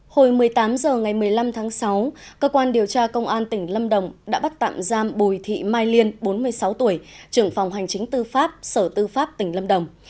hồi một mươi tám h ngày một mươi năm tháng sáu cơ quan điều tra công an tỉnh lâm đồng đã bắt tạm giam bùi thị mai liên bốn mươi sáu tuổi trưởng phòng hành chính tư pháp sở tư pháp tỉnh lâm đồng